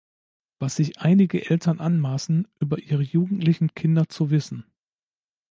Was sich einige Eltern anmaßen über ihre jugendlichen Kinder zu wissen!